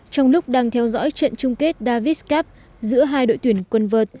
trong lúc đang theo dõi trận chung kết davis cup giữa hai đội tuyển quân vợt